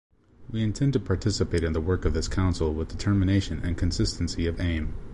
We intend to participate in the work of this Council with determination and consistency of aim.